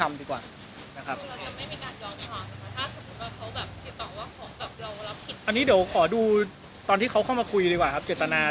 อันนี้เดี๋ยวขอดูตอนที่เข้ามาคุยเรื่องเจรตนา